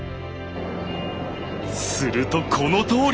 するとこのとおり。